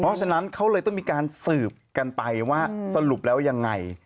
เพราะฉะนั้นเขาเลยต้องมีการสืบกันไปว่าสรุปแล้วยังไง